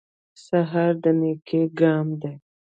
سهار د نېکۍ ګام دی.